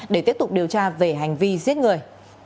để tiếp tục điều tra về hành vi giết người